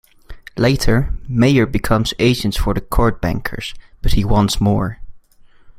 Later, Mayer becomes agent for the court bankers, but he wants more.